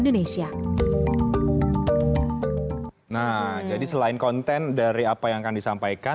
nah jadi selain konten dari apa yang akan disampaikan